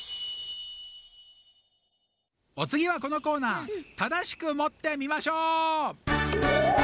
おつぎはこのコーナー「正しく持ってみまショー」！